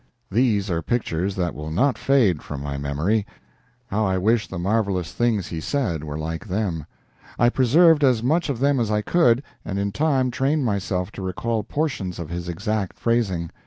These are pictures that will not fade from my memory. How I wish the marvelous things he said were like them! I preserved as much of them as I could, and in time trained myself to recall portions of his exact phrasing.